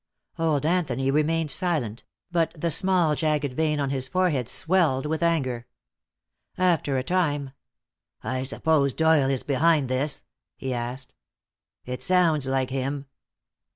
Old Anthony remained silent, but the small jagged vein on his forehead swelled with anger. After a time: "I suppose Doyle is behind this?" he asked. "It sounds like him."